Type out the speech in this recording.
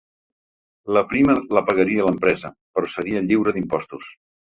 La prima la pagaria l’empresa, però seria lliure d’imposts.